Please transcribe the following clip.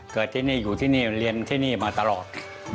เกิดที่นี่อยู่ที่นี่เรียนที่นี่มาตลอด